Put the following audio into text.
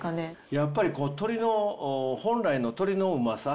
やっぱり鶏の本来の鶏のうまさ。